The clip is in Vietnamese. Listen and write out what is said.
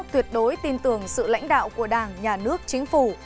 tuyệt đối tin tưởng sự lãnh đạo của đảng nhà nước chính phủ